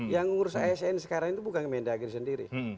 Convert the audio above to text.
yang ngurus asn sekarang itu bukan kemendagri sendiri